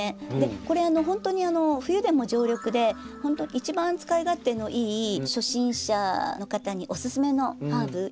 これほんとに冬でも常緑で一番使い勝手のいい初心者の方におすすめのハーブ。